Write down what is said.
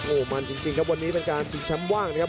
โอ้โหมันจริงครับวันนี้เป็นการชิงแชมป์ว่างนะครับ